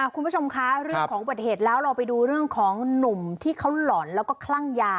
คุณผู้ชมคะเรื่องของอุบัติเหตุแล้วเราไปดูเรื่องของหนุ่มที่เขาหล่อนแล้วก็คลั่งยา